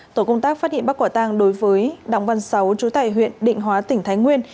tổ công tác phát hiện bắt quả tang đối với đóng văn sáu chủ tải huyện định hóa tỉnh thái nguyên